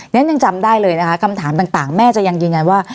ฉันยังจำได้เลยนะคะคำถามต่างแม่จะยังยืนยันว่า